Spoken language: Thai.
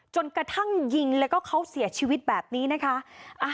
จนกระทั่งยิงแล้วก็เขาเสียชีวิตแบบนี้นะคะ